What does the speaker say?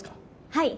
はい。